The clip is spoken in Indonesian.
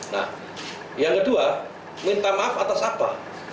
nah yang kedua minta maaf atas apa